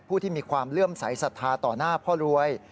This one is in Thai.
ผู้ที่มีความเลื่อมใสสัทธาต่อหน้าพ่อรวย